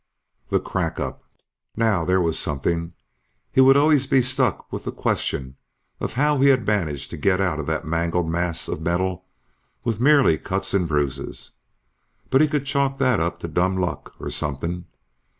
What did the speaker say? The crackup? Now there was something. He would always be stuck with the question of how he had managed to get out of that mangled mass of metal with merely cuts and bruises. But he could chalk that up to dumb luck, or something.